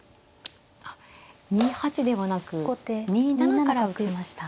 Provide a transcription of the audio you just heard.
あっ２八ではなく２七から打ちました。